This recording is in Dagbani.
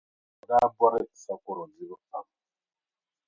O daa bɔri sakɔro dibu pam.